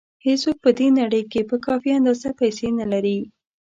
هېڅوک په دې نړۍ کې په کافي اندازه پیسې نه لري.